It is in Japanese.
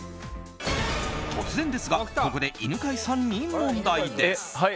突然ですがここで犬飼さんに問題です。